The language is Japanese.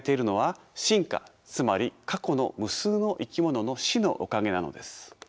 つまり過去の無数の生き物の死のおかげなのです。